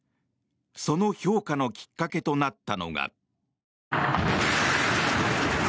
その評価のきっかけとなったのが。